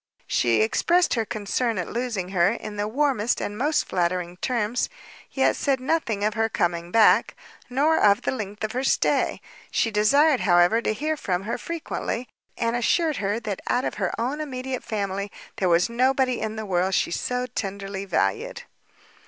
She expressed her concern at losing her in the warmest and most flattering terms, yet said nothing of her coming back, nor of the length of her stay; she desired, however, to hear from her frequently, and assured her that out of her own immediate family, there was nobody in the world she so tenderly valued.